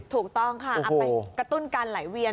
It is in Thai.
ถูกต้องค่ะเอาไปกระตุ้นการไหลเวียน